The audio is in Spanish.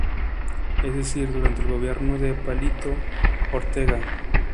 Es decir durante el Gobierno de Palito Ortega.